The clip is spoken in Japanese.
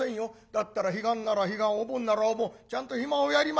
だったら彼岸なら彼岸お盆ならお盆ちゃんと暇をやりましょう」。